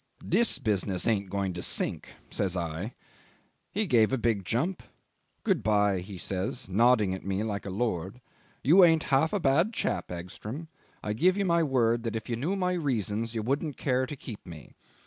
'This business ain't going to sink,' says I. He gave a big jump. 'Good bye,' he says, nodding at me like a lord; 'you ain't half a bad chap, Egstrom. I give you my word that if you knew my reasons you wouldn't care to keep me.